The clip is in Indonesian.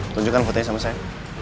tunjukkan fotonya sama saya